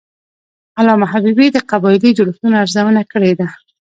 علامه حبیبي د قبایلي جوړښتونو ارزونه کړې ده.